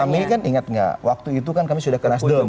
kami kan ingat nggak waktu itu kan kami sudah ke nasdem